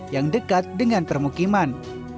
yang dekat dengan permukaan